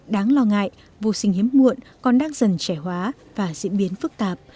đáng lo ngại vô sinh hiếm muộn còn đang dần trẻ hóa và diễn biến phức tạp